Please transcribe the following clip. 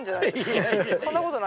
そんなことない？